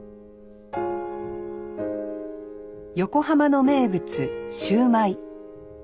横浜の名物シューマイ。